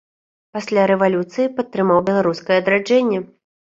Пасля рэвалюцыі падтрымаў беларускае адраджэнне.